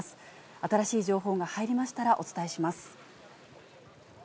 新しい情報が入りましたらお伝えします。